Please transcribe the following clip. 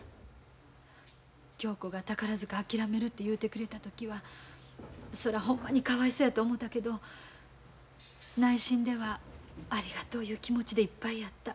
恭子が宝塚諦めるて言うてくれた時はそらほんまにかわいそうやと思うたけど内心ではありがとういう気持ちでいっぱいやった。